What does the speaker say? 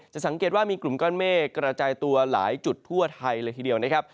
สังเกตว่ามีกลุ่มก้อนเมฆกระจายตัวหลายจุดทั่วไทยเลยทีเดียวนะครับ